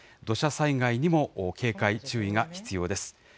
土砂災害にも警戒、注意が必要です。